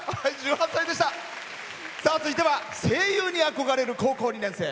続いては声優に憧れる高校２年生。